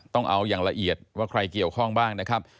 ต้องเอาอย่างละเอียดว่าใครเกี่ยวข้องบ้างนะครับ